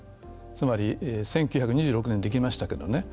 つまり１９２６年にできましたけどね。